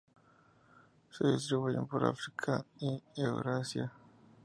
Se distribuyen por África y Eurasia.